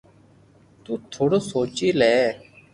تو ٿورو سوچي لي